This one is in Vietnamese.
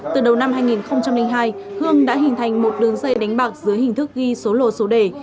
từ đầu năm hai nghìn hai hương đã hình thành một đường dây đánh bạc dưới hình thức ghi số lô số đề